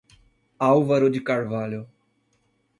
Álvaro de Carvalho